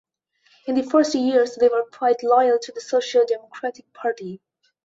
In the first years, they were quite loyal to the Social Democratic Party.